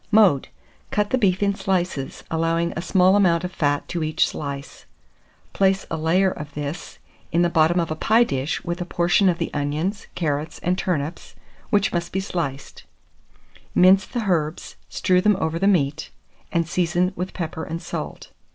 Mode. Cut the beef in slices, allowing a small amount of fat to each slice; place a layer of this in the bottom of a pie dish, with a portion of the onions, carrots, and turnips, which must be sliced; mince the herbs, strew them over the meat, and season with pepper and salt.